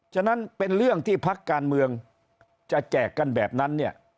ฉะนั้นเป็นเรื่องที่พักการเมืองจะแจกกันแบบนั้นเนี่ย